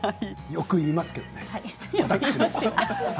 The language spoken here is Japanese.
よく言いますけどね。